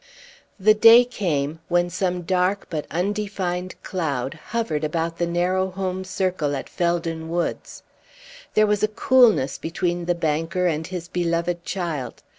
The day came when some dark but undefined cloud hovered about the narrow home circle at Felden Woods. There was a coolness between the banker and his beloved child.